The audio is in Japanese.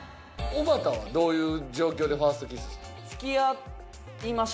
おばたはどういう状況でファーストキスした？